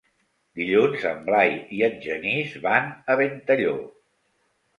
Dilluns en Blai i en Genís van a Ventalló.